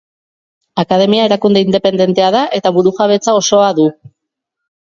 Akademia erakunde independentea da eta burujabetza osoa du.